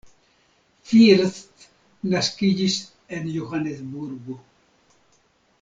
First naskiĝis en Johanesburgo.